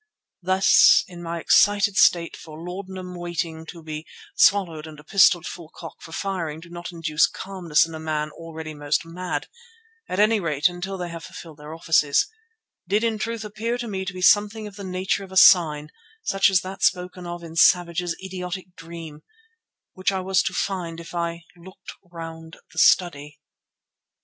This, in my excited state, for laudanum waiting to be swallowed and a pistol at full cock for firing do not induce calmness in a man already almost mad, at any rate until they have fulfilled their offices, did in truth appear to me to be something of the nature of a sign such as that spoken of in Savage's idiotic dream, which I was to find if 'I looked round the study.